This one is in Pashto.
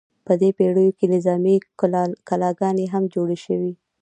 په دې پیړیو کې نظامي کلاګانې هم جوړې شوې.